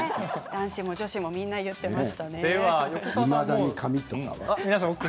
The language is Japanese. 男子も女子も言っていましたね。